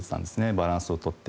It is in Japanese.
バランスをとって。